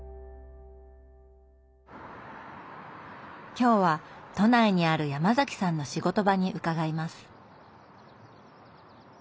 今日は都内にあるヤマザキさんの仕事場に伺います。